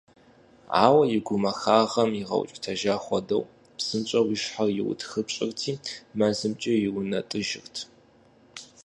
Ауэ и гумахагъэм игъэукӏытэжа хуэдэ, псынщӏэу и щхьэр иутхыпщӏырти мэзымкӏэ иунэтӏыжырт.